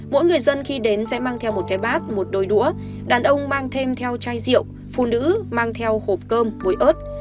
mỗi người dân khi đến sẽ mang theo một cái bát một đôi đũa đàn ông mang thêm theo chai rượu phụ nữ mang theo hộp cơm bụi ớt